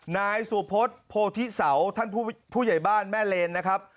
นายสุพศโพธิเสาท่านผู้ใหญ่บ้านแม่เลนนะครับ